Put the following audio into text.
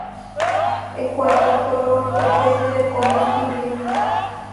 En cuanto al color, depende del combustible.